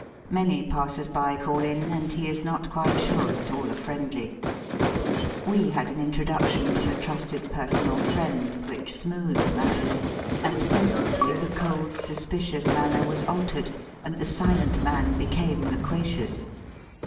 Many passers by call in, and he is not quite sure that all are friendly. We had an introduction from a trusted personal friend, which smoothed matters, and presently the cold suspicious manner was altered, and the silent man became loquacious.